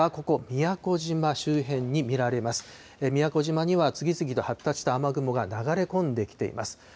宮古島には次々と発達した雨雲が流れ込んできています。